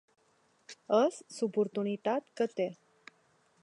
És l’oportunitat que té.